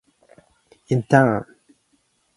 Intern.